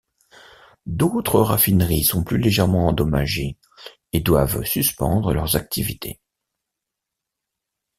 D'autres raffineries sont plus légèrement endommagées et doivent suspendre leurs activités.